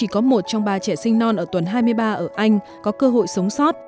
có một trong ba trẻ sinh non ở tuần hai mươi ba ở anh có cơ hội sống sót